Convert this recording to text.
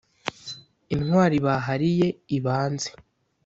intwari bahariye ibanze